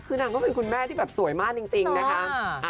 คือนางก็เป็นคุณแม่ที่แบบสวยมากจริงนะคะ